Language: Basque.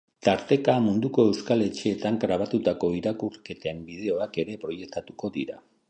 Tarteka, munduko euskal etxeetan grabatutako irakurketen bideoak ere proiektatuko dira.